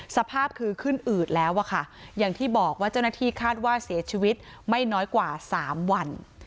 สภาพคือขึ้นอืดแล้วอะค่ะอย่างที่บอกว่าเจ้าหน้าที่คาดว่าเสียชีวิตไม่น้อยกว่า๓วัน